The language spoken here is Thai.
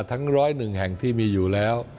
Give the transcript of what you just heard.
ทั้ง๑๐๑แห่งที่มีอยู่แล้ว